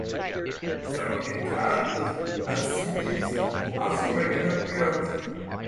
Some of the characters have siblings who also make an appearance.